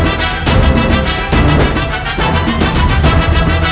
ada anjing yang di dalam sana